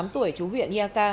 hai mươi tám tuổi chú huyện iak